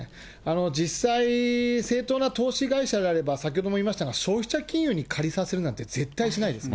実際、正当な投資会社であれば、先ほども言いましたが、消費者金融に借りさせるなんて絶対しないですね。